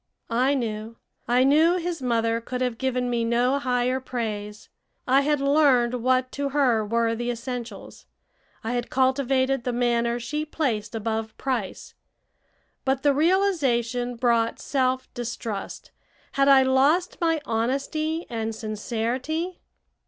I knew. I knew his mother could have given me no higher praise. I had learned what to her were the essentials; I had cultivated the manner she placed above price. But the realization brought self distrust. Had I lost my honesty and sincerity?